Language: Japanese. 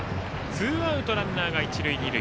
ツーアウト、ランナーが一塁二塁。